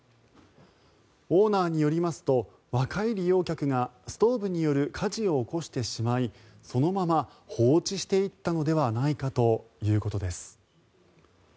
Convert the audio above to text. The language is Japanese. オーナーによりますと若い利用客がストーブによる火事を起こしてしまいそのまま放置していったのではないかということです。